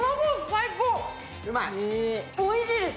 最高、おいしいです。